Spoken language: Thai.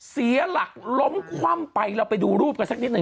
เสียหลักล้มคว่ำไปเราไปดูรูปกันสักนิดหนึ่ง